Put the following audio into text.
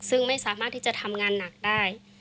ซึ่งไม่สามารถที่จะทำงานหนักได้